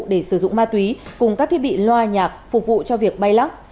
để sử dụng ma túy cùng các thiết bị loa nhạc phục vụ cho việc bay lắc